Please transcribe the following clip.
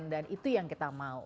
dan itu yang kita mau